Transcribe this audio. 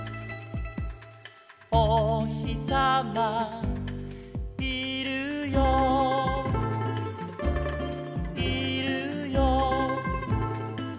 「おひさまいるよいるよ」